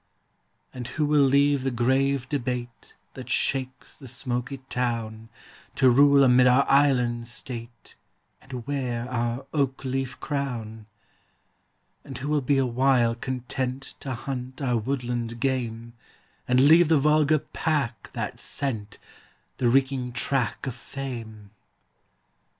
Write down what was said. And who will leave the grave debate That shakes the smoky town, To rule amid our island state, And wear our oak leaf crown? And who will be awhile content To hunt our woodland game, And leave the vulgar pack that scent The reeking track of fame?